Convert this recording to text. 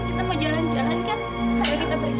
kita mau jalan jalan kan